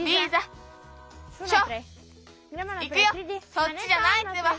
そっちじゃないってば。